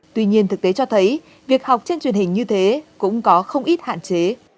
tuy nhiên thực tế cho thấy việc học trên truyền hình như thế cũng có không ít hạn chế